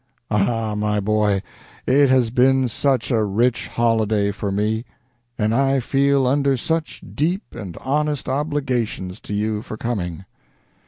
Ah, my boy! It has been such a rich holiday for me, and I feel under such deep and honest obligations to you for coming.